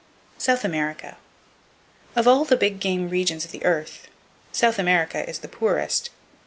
South America Of all the big game regions of the earth, South America is the poorest.